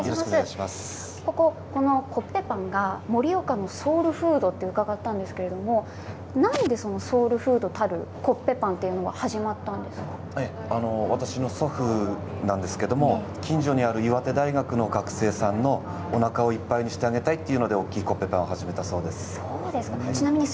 コッペパンが盛岡のソウルフードと伺ったんですけれどなんでソウルフードたるコッペパンというのが私の祖父なんですけれども近所にある岩手大学の学生さんのおなかをいっぱいにさせてあげたいということで、大きいコッペパンを始めたそうです。